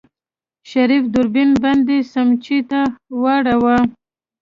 شريف دوربين بندې سمڅې ته واړوه.